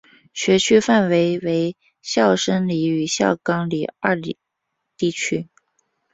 学区范围为孝深里与孝冈里二里地区。